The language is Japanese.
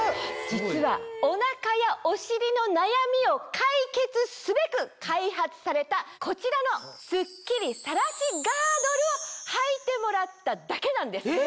実はお腹やお尻の悩みを解決すべく開発されたこちらの。をはいてもらっただけなんです。